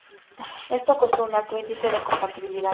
Esto con un alto índice de compatibilidad.